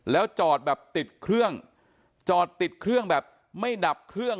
แล้วจอดแบบติดเครื่องจอดติดเครื่องแบบไม่ดับเครื่อง